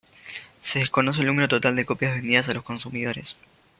Se desconoce el número total de copias vendidas a los consumidores.